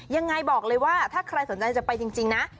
ยังไงบอกเลยว่าถ้าใครสนใจจะไปจริงนะ